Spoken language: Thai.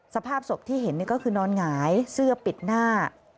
สภาพศพที่เห็นก็คือนอนหงายเสื้อปิดหน้า